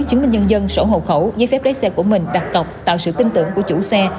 chứng minh nhân dân sổ hồ khẩu giấy phép lái xe của mình đặt cọc tạo sự tin tưởng của chủ xe